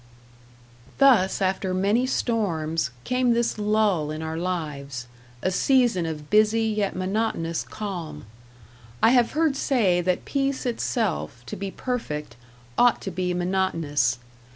Thus after many storms, came this lull in our lives; a season of busy yet monotonous calm, I have heard say that peace itself, to be perfect, ought to be monotonous.